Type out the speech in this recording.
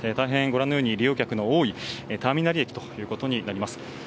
ご覧のように利用客の多いターミナル駅となります。